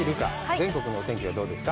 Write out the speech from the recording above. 全国のお天気はどうですか？